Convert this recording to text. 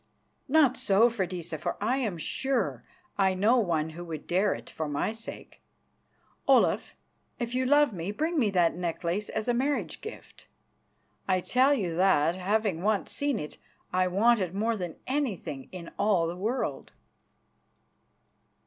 "Not so, Freydisa, for I am sure I know one who would dare it for my sake. Olaf, if you love me, bring me that necklace as a marriage gift. I tell you that, having once seen it, I want it more than anything in all the world."